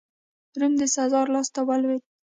روم د سزار لاسته ولوېد.